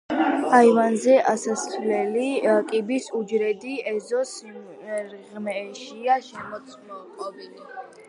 აივანზე ასასვლელი კიბის უჯრედი ეზოს სიღრმეშია მოწყობილი.